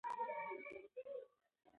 ايا لښتې خپلې اوښکې په پټه پاکې کړې؟